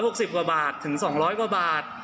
๑๖๐กว่าบาทถึง๒๐๐กว่าบาท